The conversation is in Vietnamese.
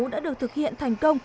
đã được thực hiện thành công